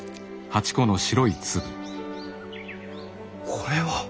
これは。